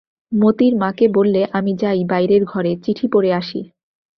মোতির মাকে বললে, আমি যাই বাইরের ঘরে, চিঠি পড়ে আসি।